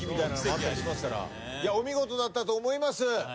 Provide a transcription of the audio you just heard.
お見事だったと思います。